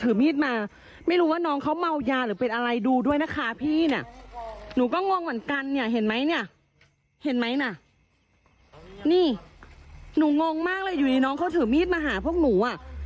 เอาข้าวเอาปลาไปกินกันในสวนสาธารณะ